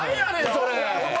それ！